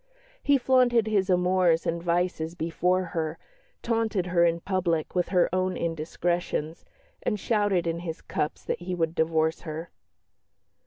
He flaunted his amours and vices before her, taunted her in public with her own indiscretions, and shouted in his cups that he would divorce her.